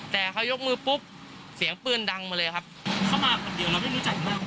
แต่เขายกมือปุ๊บเสียงปืนดังมาเลยครับเขามาคนเดียวเราไม่รู้จักมาก